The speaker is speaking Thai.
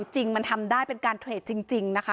จริงมันทำได้เป็นการเทรดจริงนะคะ